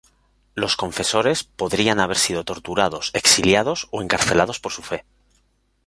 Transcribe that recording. Los confesores, podrían haber sido torturados, exiliados o encarcelados por su fe.